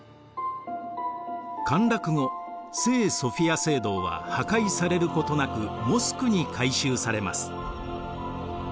陥落後聖ソフィア聖堂は破壊されることなくモスクに改修されます。